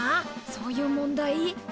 そういう問題？